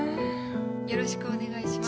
よろしくお願いします。